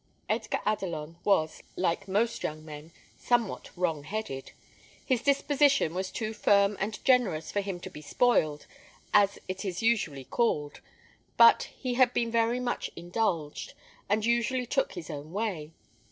Edgar Adelon was, like most young men, somewhat wrong headed. His disposition was too firm and generous for him to be spoiled, as it is usually called; but he had been very much indulged, and usually took his own way.